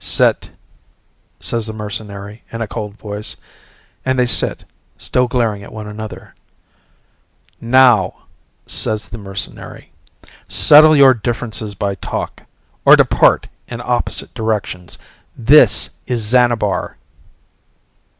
"Sit!" says the mercenary in a cold voice, and they sit still glaring at one another. "Now," says the mercenary, "settle your differences by talk. Or depart in opposite directions. This is Xanabar!"